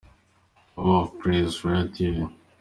Power of the praise- Royal tv.